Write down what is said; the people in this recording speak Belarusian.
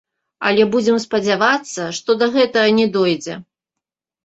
Але будзем спадзявацца, што да гэтага не дойдзе.